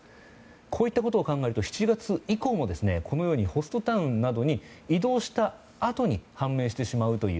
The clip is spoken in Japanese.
こういったことを考えると７月以降も、このようにホストタウンなど移動したあとに判明してしまうという。